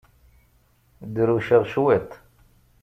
Drewceɣ cwiṭ.